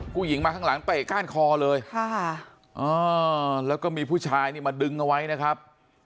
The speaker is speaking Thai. ผู้หญิงมาข้างหลังเตะก้านคอเลยแล้วก็มีผู้ชายนี่มาดึงเอาไว้นะครับ